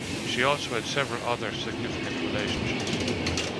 She also had several other significant relationships.